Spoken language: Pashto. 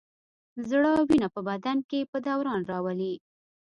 زړه وینه په بدن کې په دوران راولي.